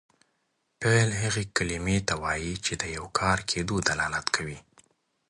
فعل هغې کلمې ته وایي چې د یو کار کیدو دلالت کوي.